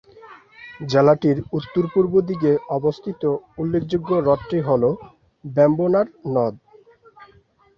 জেলাটির উত্তর-পূর্ব দিকে অবস্থিত উল্লেখযোগ্য হ্রদটি হলো বেম্বনাড় হ্রদ।